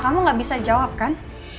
kamu gak bisa jawab kan